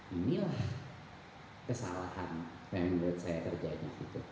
inilah kesalahan yang menurut saya terjadi